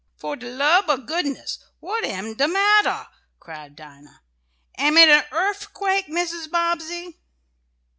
"Fo' de lub ob goodness what am de mattah?" cried Dinah. "Am it an earfquake Mrs. Bobbsey?"